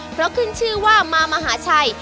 เพราะขึ้นชื่อว่ามามหาชัย